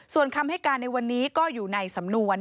ส่วนคำให้การในวันนี้ก็อยู่ในสำนวน